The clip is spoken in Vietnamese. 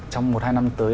trong một hai năm tới